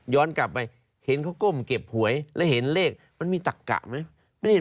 กลับไปเห็นเขาก้มเก็บหวยแล้วเห็นเลขมันมีตักกะไหม